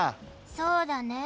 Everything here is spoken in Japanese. そうだね。